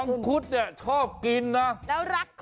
มักกุ๊ดชอบกินนะ